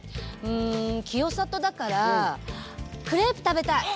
うん清里だからクレープ食べたい。